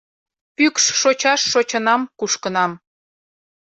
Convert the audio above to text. - Пӱкш шочаш шочынам-кушкынам.